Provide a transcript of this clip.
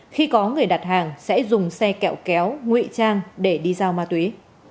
khi có người đặt hàng sẽ dùng xe kẹo kéo nguy trang để đi giao ma túy